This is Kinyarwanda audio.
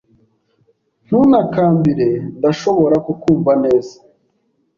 Ntuntakambire. Ndashobora kukumva neza.